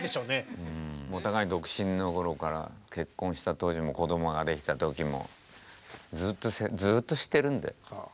お互いに独身の頃から結婚した当時も子どもができた時もずっと知ってるんで。